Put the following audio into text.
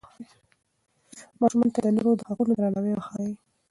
ماشومانو ته د نورو د حقونو درناوی وښایئ.